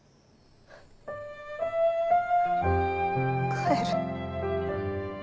帰る。